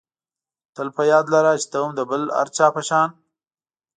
تل په یاد لره چې ته هم د بل هر چا په شان.